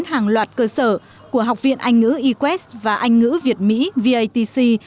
học viên hàng loạt cơ sở của học viên anh ngữ equest và anh ngữ việt mỹ vatc